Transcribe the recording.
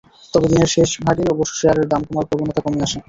তবে দিনের শেষ ভাগে অবশ্য শেয়ারের দাম কমার প্রবণতা কমে আসে।